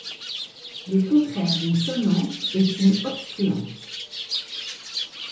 Le contraire d'une sonante est une obstruante.